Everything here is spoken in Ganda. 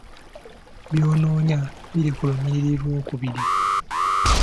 By'onoonya biri ku lunyiriri olw'okubiri.